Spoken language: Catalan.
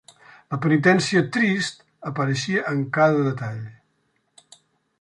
La penitència trist apareixia en cada detall.